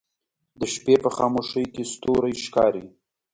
د شپې په خاموشۍ کې ستوری ښکاري